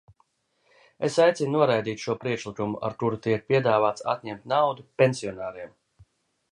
Es aicinu noraidīt šo priekšlikumu, ar kuru tiek piedāvāts atņemt naudu pensionāriem.